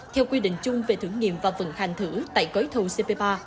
theo quy định chung về thử nghiệm và vận hành thử tại gói thầu cp ba